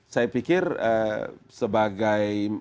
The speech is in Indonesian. saya pikir sebagai masyarakat mayor